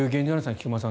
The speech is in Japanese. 菊間さん